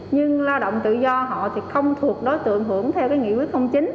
nhưng lao động tự do họ thì không thuộc đối tượng hưởng theo cái nghị quyết chín